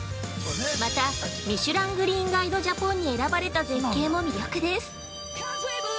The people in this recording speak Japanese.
また、ミシュラン・グリーンガイド・ジャポンに選ばれた絶景も魅力です！